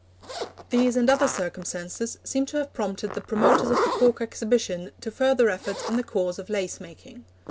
These and other circumstances seem to have prompted the promoters of the Cork Exhibition to further efforts in the cause of lace making.